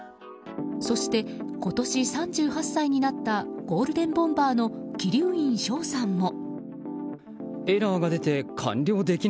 そして、今年３８歳になったゴールデンボンバーの鬼龍院翔さんも。